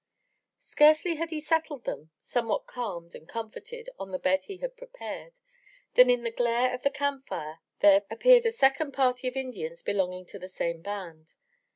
Scarcely had he settled them, somewhat calmed and com forted, on the bed he had prepared, than in the glare of .the camp fire there appeared a second party of Indians belonging to the same band.